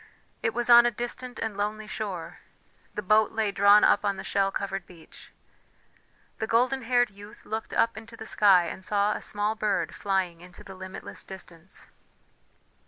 It was on a distant and lonely shore; the boat lay drawn up on the shell covered beach. The golden haired youth looked up into the sky and saw a small bird flying into the limitless distance.